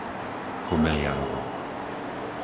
Kobeliarovo